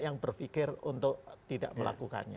yang berpikir untuk tidak melakukannya